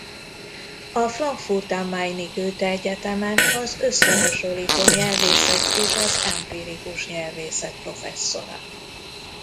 A Frankfurt am Main-i Goethe Egyetemen az összehasonlító nyelvészet és az empirikus nyelvészet professzora.